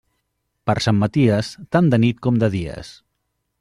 Per Sant Maties, tant de nit com de dies.